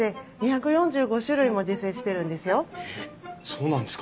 えっそうなんですか。